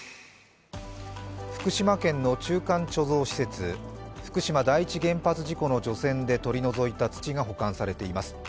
福島県の中間貯蔵施設、福島第一原発事故のあと取り除いた土が保管されています。